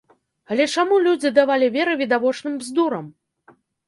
Але чаму людзі давалі веры відавочным бздурам?